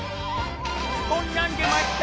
こんなん出ました。